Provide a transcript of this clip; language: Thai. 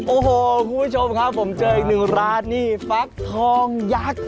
โอ้โหคุณผู้ชมครับผมเจออีกหนึ่งร้านนี่ฟักทองยักษ์